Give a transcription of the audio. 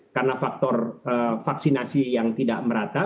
karena faktor vaksinasi yang tidak merata